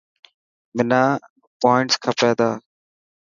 منا پووانٽس کپي تا.